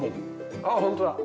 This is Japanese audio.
ああ本当だ！